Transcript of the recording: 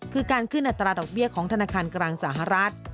คือการขึ้นอัตราดอกเบี้ยของธนาคารกลางสหรัฐ